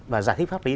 và giải thích pháp lý